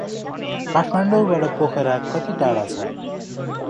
काठमाडौं बाट पोखरा कति टाढा छ?